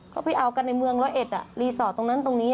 เขาไปเอากันในเมืองร้อยเอ็ดรีสอร์ทตรงนั้นตรงนี้